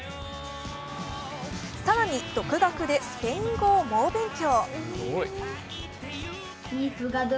更に独学でスペイン語を猛勉強。